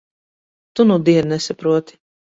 Tu nudien nesaproti.